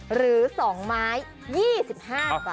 หรือ๒ไม้๒๕บาท